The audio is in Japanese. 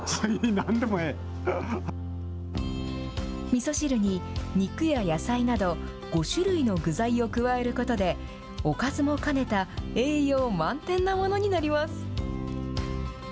みそ汁に肉や野菜など、５種類の具材を加えることで、おかずも兼ねた栄養満点なものになります。